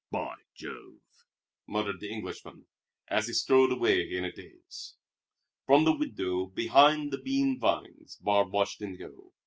"By Jove!" muttered the Englishman, as he strode away in a daze. From the window, behind the bean vines, Barbe watched him go.